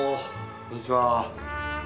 こんにちは。